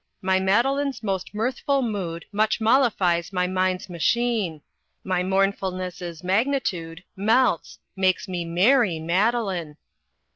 "My Madeline's most mirthful mood Much mollifies my mind's machine; My mournfulness' magnitude Melts makes me merry, Madeline!